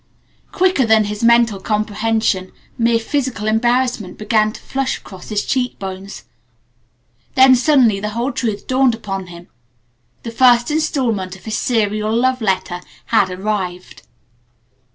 Quicker than his mental comprehension mere physical embarrassment began to flush across his cheek bones. Then suddenly the whole truth dawned on him: The first installment of his Serial Love Letter had arrived.